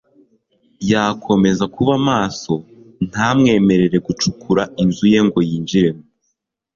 yakomeza kuba maso ntamwemerere gucukura inzu ye ngo yinjiremo